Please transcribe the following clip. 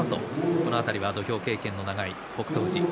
この辺りは土俵経験の長い北勝富士。